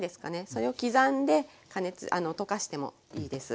それを刻んで溶かしてもいいです。